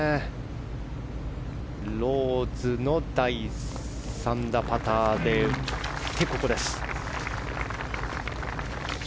ローズの第３打パターで打って、ここです。